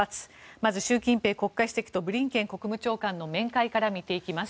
まず習近平国家主席とブリンケン国務長官の面会から見ていきます。